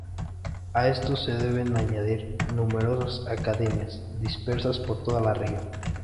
A estos se deben añadir numerosas academias, dispersas por toda la región.